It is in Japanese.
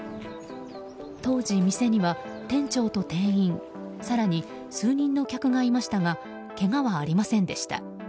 当時、店には店長と店員更に数人の客がいましたがけがはありませんでした。